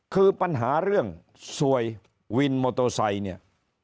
คือปัญหาเรื่องสวยวินมอเตอร์ไซค์เนี่ย